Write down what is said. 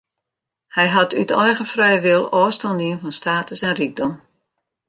Hja hat út eigen frije wil ôfstân dien fan status en rykdom.